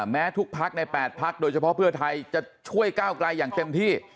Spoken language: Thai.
แม้ทุกพักใน๘พักโดยเฉพาะเพื่อไทยจะช่วยก้าวไกลอย่างเต็มที่